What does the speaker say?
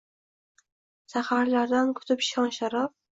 Saharlardan kutib shon-sharaf